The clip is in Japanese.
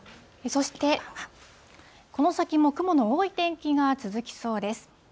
そして、この先も雲の多い天気が続きそうです。